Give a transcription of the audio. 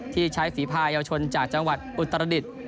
ที่ใช้ฝีพายาวชนจากจังหวัดอุตรดิษฐ์